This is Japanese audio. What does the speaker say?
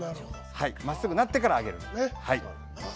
まっすぐなってから上げる。